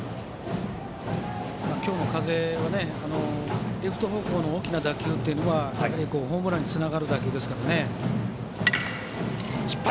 今日の風はレフト方向の大きな打球を打てばホームランにつながる打球ですからね。